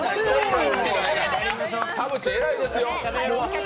田渕、えらいですよ。